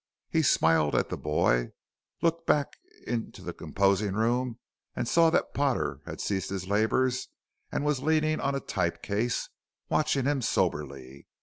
He smiled at the boy, looked back into the composing room and saw that Potter had ceased his labors and was leaning on a type case, watching him soberly.